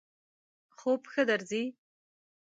خوب ښه درځی؟